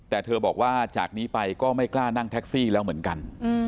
แต่เธอบอกว่าจากนี้ไปก็ไม่กล้านั่งแท็กซี่แล้วเหมือนกัน